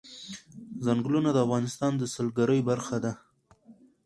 چنګلونه د افغانستان د سیلګرۍ برخه ده.